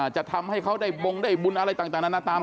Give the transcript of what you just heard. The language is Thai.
จะทำให้เขาได้มงดบุญอะไรต่าง